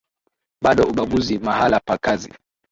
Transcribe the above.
bado ubaguzi mahala pa kazi